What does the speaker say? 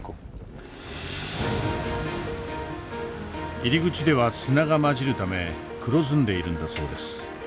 入り口では砂が混じるため黒ずんでいるんだそうです。